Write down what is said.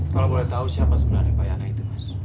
kalau boleh tahu siapa sebenarnya pak yana itu mas